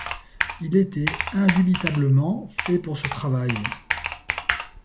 Il était indubitablement fait pour ce travail.